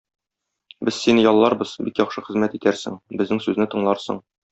Без сине ялларбыз, бик яхшы хезмәт итәрсең, безнең сүзне тыңларсың.